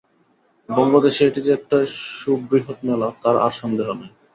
বঙ্গদেশে এটি যে একটি সুবৃহৎ মেলা, তার আর সন্দেহ নাই।